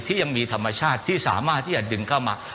ยังมีธรรมชาติที่สามารถที่จะดึงเข้ามา